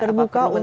terbuka untuk umum